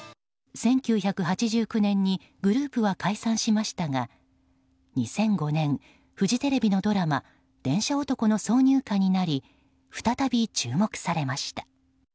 １９８９年にグループは解散しましたが２００５年フジテレビのドラマ「電車男」の挿入歌になり再び注目されました。